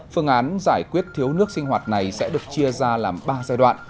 phương án giải quyết thiếu nước sinh hoạt này sẽ được chia ra làm ba giai đoạn